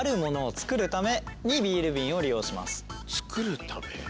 作るため？